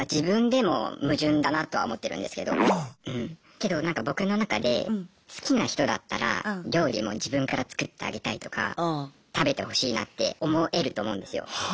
けどなんか僕の中で好きな人だったら料理も自分から作ってあげたいとか食べてほしいなって思えると思うんですよ。